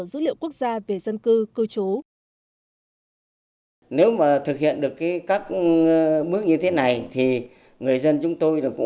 dữ liệu quốc gia về dân cư cư trú